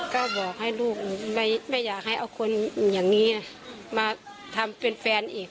ก็บอกให้ลูกไม่อยากให้เอาคนอย่างนี้มาทำเป็นแฟนอีก